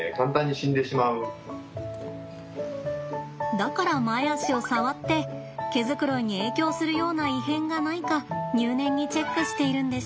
だから前足を触って毛づくろいに影響するような異変がないか入念にチェックしているんです。